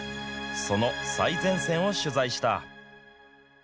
その最前線を取材した。